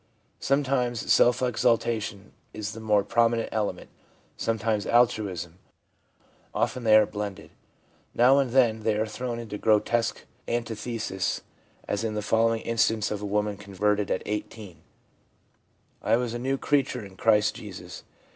Sometimes self exaltation is the more pro minent element, sometimes altruism ; often they are blended. Now and then they are thrown into gro tesque antithesis as in the following instance of a woman converted at 18 : 'I was a new creature in Christ Jesus.